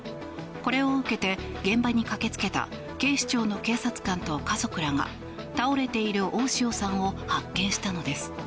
これを受けて現場に駆けつけた警視庁の警察官と家族らが倒れている大塩さんを発見したのです。